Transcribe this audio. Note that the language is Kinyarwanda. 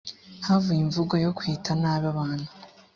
havuye imvugo yo kwita nabi abana